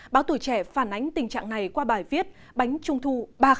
báo tuổi trẻ phản ánh tình trạng này qua bài viết bánh trung thu ba